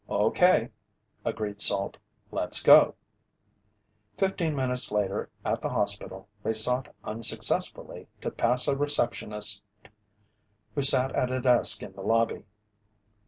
"Okay," agreed Salt. "Let's go." Fifteen minutes later, at the hospital, they sought unsuccessfully to pass a receptionist who sat at a desk in the lobby.